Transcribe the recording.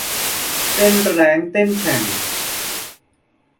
เต้นแร้งเต้นแฉ่ง